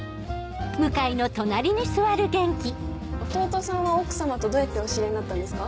義弟さんは奥さまとどうやってお知り合いになったんですか？